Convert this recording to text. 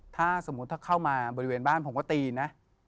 ถ้าสมมุติถ้าเข้ามาบริเวณบ้านผมก็ตีนะ